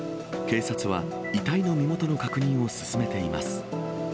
警察は遺体の身元の確認を進めています。